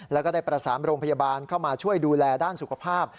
แล้วก็ได้ประสานโรงพยาบาลเข้ามาช่วยดูแลด้านสุขภาพ